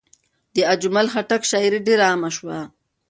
د اجمل خټک شاعري ډېر عامه شوه.